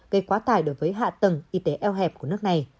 gây quá tải đối với hạ tầng y tế eo hẹp của nước này